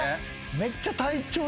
めっちゃ。